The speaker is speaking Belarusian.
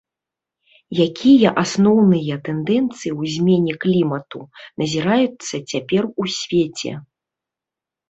Якія асноўныя тэндэнцыі ў змене клімату назіраюцца цяпер у свеце?